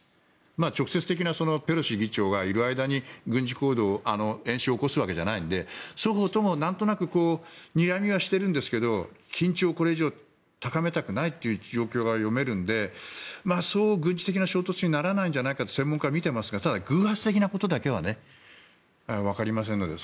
直接的な、ペロシ議長がいる間に軍事演習を起こすわけじゃないので双方とも、なんとなくにらみはしてるんですけど緊張をこれ以上高めたくないという状況が読めるのでそう、軍事的な衝突にはならないんじゃないかと専門家は見ていますがただ、偶発的なことだけはわかりませんので。